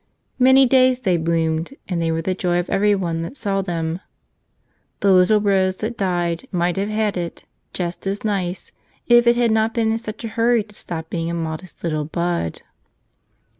Many days they bloomed; and they were the joy of every one that saw them. The little rose that died might have had it just as nice, if it had not been in such a hurry to stop being a modest little bud.